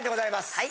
はい。